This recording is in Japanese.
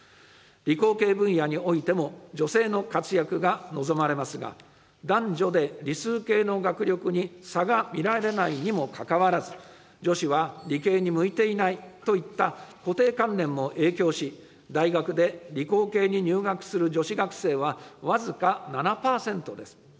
理工系分野においても、女性の活躍が望まれますが、男女で理数系の学力に差が見られないにもかかわらず、女子は理系に向いていないといった固定観念も影響し、大学で理工系に入学する女子学生は僅か７％です。